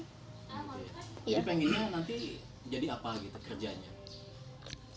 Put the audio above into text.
jadi pengennya nanti jadi apa lagi pekerjanya